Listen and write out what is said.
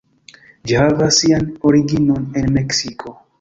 Ĝi havas sian originon en Meksiko.